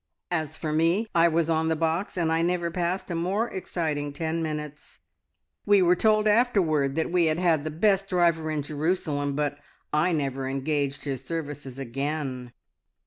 As for me, I was on the box, and I never passed a more exciting ten minutes. We were told afterwards that we had had the best driver in Jerusalem, but I never engaged his services again.